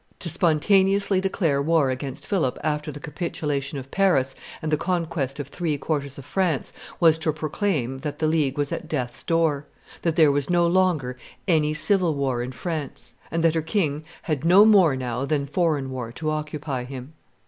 To spontaneously declare war against Philip after the capitulation of Paris and the conquest of three quarters of France was to proclaim that the League was at death's door, that there was no longer any civil war in France, and that her king had no more now than foreign war to occupy him.